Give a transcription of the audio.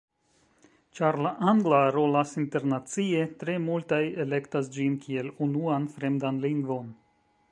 Ĉar la angla rolas internacie, tre multaj elektas ĝin kiel unuan fremdan lingvon.